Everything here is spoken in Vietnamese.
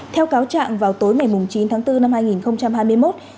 theo cáo trạng vào tối ngày chín tháng bốn năm hai nghìn hai mươi một